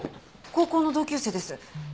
高校の同級生です。